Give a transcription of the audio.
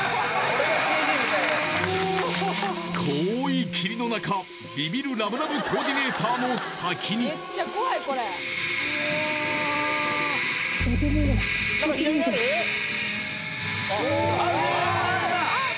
濃い霧の中ビビるラブラブコーディネーターの先にうわすごい！